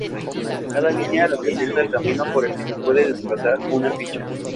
Cada línea representa el camino por el que se puede desplazar una ficha.